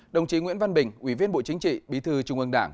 đồng chí nguyễn văn bình ủy viên bộ chính trị bí thư trung ương đảng